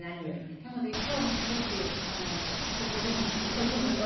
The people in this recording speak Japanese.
なので今日もすごく誇れます祖父母に。